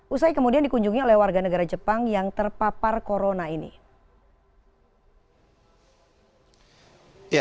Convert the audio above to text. usai kemudian dikunjungi oleh warga negara jepang yang terpapar corona ini